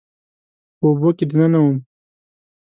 په اوبو کې دننه وم